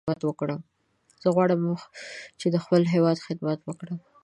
زه غواړم چې د خپل هیواد خدمت وکړم.